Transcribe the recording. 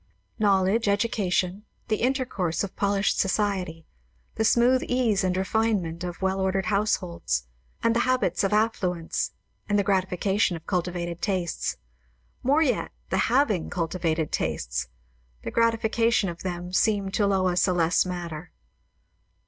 Knowledge, education, the intercourse of polished society, the smooth ease and refinement of well ordered households, and the habits of affluence, and the gratification of cultivated tastes; more yet, the having cultivated tastes; the gratification of them seemed to Lois a less matter.